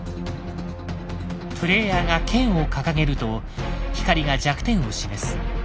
プレイヤーが剣を掲げると光が弱点を示す。